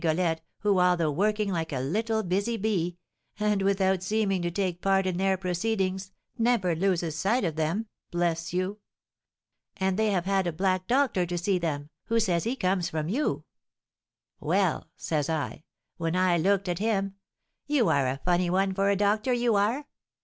Rigolette, who, although working like a little busy bee, and without seeming to take part in their proceedings, never loses sight of them, bless you! And they have had a black doctor to see them, who says he comes from you. 'Well,' says I, when I looked at him, 'you are a funny one for a doctor, you are!